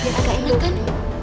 biar aku ingatkan